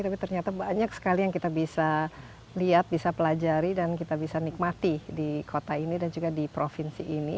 tapi ternyata banyak sekali yang kita bisa lihat bisa pelajari dan kita bisa nikmati di kota ini dan juga di provinsi ini